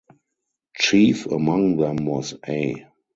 Chief among them was A.